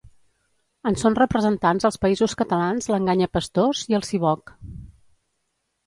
En són representants als Països Catalans l'enganyapastors i el siboc.